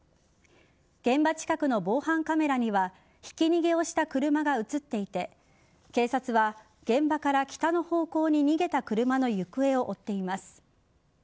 現場近くの防犯カメラにはひき逃げをした車が映っていて警察は現場から北の方向に逃げた車の行方を追っています。